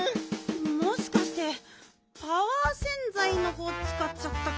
もしかしてパワーせんざいのほうつかっちゃったかな？